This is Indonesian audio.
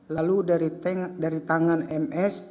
lalu dari tangan ms